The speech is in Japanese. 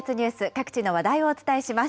各地の話題をお伝えします。